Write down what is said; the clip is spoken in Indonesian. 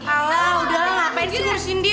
alah udah lah ngapain cunggu sindir